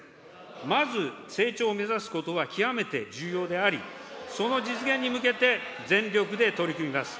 まず成長を目指すことが極めて重要であり、その実現に向けて全力で取り組みます。